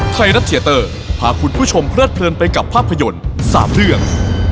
ไทยรัฐเทียเตอร์พาคุณผู้ชมเพลิดเพลินไปกับภาพยนตร์๓เรื่อง